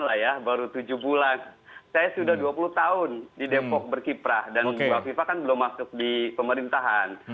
saya sudah dua puluh tahun di depok berkiprah dan bu afifah kan belum masuk di pemerintahan